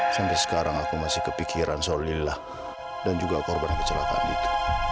sampai sekarang aku masih kepikiran soal lillah dan juga korban kecelakaan itu